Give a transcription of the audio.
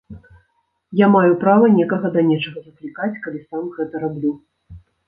Я маю права некага да нечага заклікаць калі сам гэта раблю.